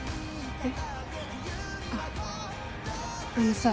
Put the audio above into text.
えっ？